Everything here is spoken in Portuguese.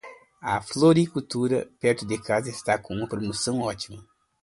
A floricultura perto de casa está com uma promoção ótima.